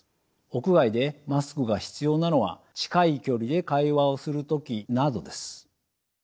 屋外でマスクが必要なのは近い距離で会話をする時などです。